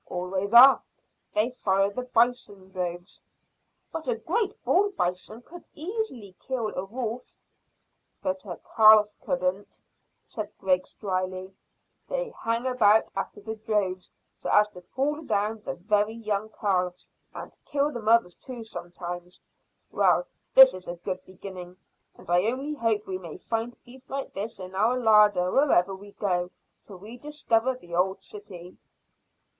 "Always are. They follow the bison droves." "But a great bull bison could easily kill a wolf." "But a calf couldn't," said Griggs dryly. "They hang about after the droves so as to pull down the very young calves, and kill the mothers too, sometimes. Well, this is a good beginning, and I only hope we may find beef like this in our larder wherever we go, till we discover the old city."